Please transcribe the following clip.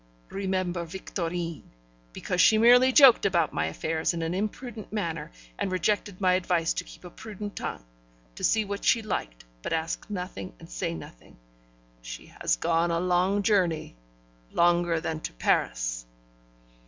Remember Victorine. Because she merely joked about my affairs in an imprudent manner, and rejected my advice to keep a prudent tongue to see what she liked, but ask nothing and say nothing she has gone a long journey longer than to Paris.'